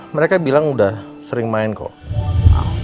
mereka bilang udah sering main kok